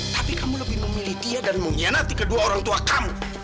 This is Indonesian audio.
tapi kamu lebih memilih dia dan mengkhianati kedua orang tua kamu